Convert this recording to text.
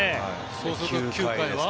そうすると９回は。